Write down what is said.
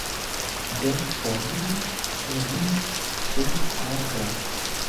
Do foriru urini sur arbon!